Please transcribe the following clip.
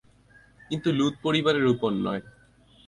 কিন্তু লূত পরিবারের উপর নয়।